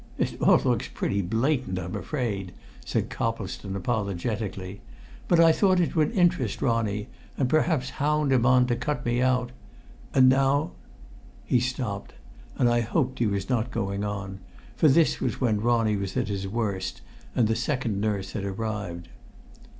"It all looks pretty blatant, I'm afraid," said Coplestone apologetically. "But I thought it would interest Ronnie and perhaps hound him on to cut me out. And now " He stopped, and I hoped he was not going on, for this was when Ronnie was at his worst and the second nurse had arrived.